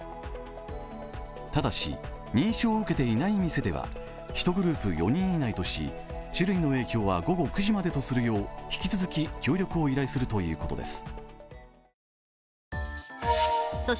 ただし、認証を受けていない店では１グループ４人以内とし、酒類の提供は午後９時までとするよう引き続き協力を依頼するということです。